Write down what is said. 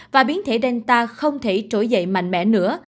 và biến thể delta không thể trối dậy mạnh mẽ nữa